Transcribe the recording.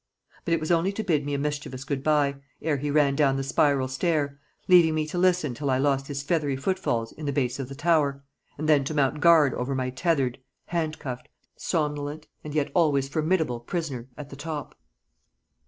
But it was only to bid me a mischievous goodbye, ere he ran down the spiral stair, leaving me to listen till I lost his feathery foot falls in the base of the tower, and then to mount guard over my tethered, handcuffed, somnolent, and yet always formidable prisoner at the top.